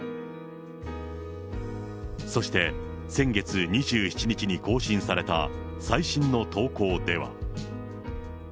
そして、先月２７日に更新された最新の投稿では。